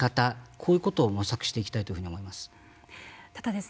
こういうことを模索していきたいと思っています。